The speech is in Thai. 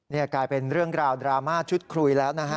นี่กลายเป็นเรื่องราวดราม่าชุดคุยแล้วนะฮะ